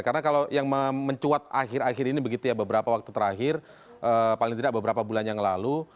karena kalau yang mencuat akhir akhir ini begitu ya beberapa waktu terakhir paling tidak beberapa bulan yang lalu